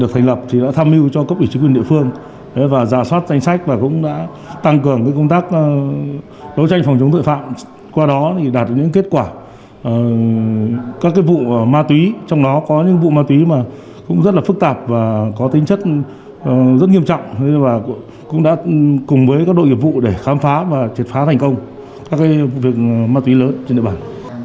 tăng cường công tác đấu tranh phòng chống tội phạm qua đó đạt được những kết quả các vụ ma túy trong đó có những vụ ma túy rất phức tạp và có tính chất rất nghiêm trọng cũng đã cùng với các đội nghiệp vụ để khám phá và triệt phá thành công các vụ ma túy lớn trên địa bàn